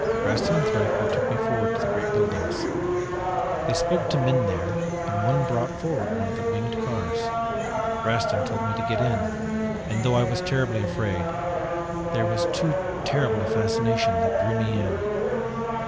"Rastin and Thicourt took me forward to the great buildings. They spoke to men there and one brought forward one of the winged cars. Rastin told me to get in, and though I was terribly afraid, there was too terrible a fascination that drew me in.